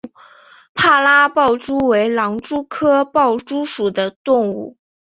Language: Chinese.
帕拉豹蛛为狼蛛科豹蛛属的动物。